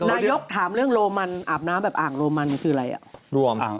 นายกถามเรื่องโรมันอาบน้ำแบบอ่างโรมันคืออะไรอ่ะ